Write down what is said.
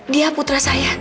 dia putra saya